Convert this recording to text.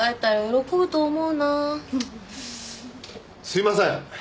すいません。